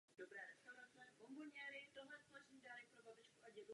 Proto vítám, že hlasujeme o zamítnutí tohoto enzymu.